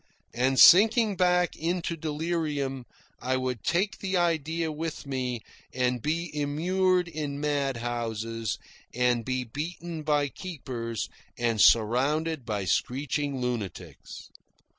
And sinking back into delirium, I would take the idea with me and be immured in madhouses, and be beaten by keepers, and surrounded by screeching lunatics.